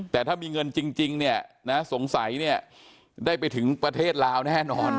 แต่ถ้ามีเงินจริงเนี่ยนะสงสัยเนี่ยได้ไปถึงประเทศลาวแน่นอน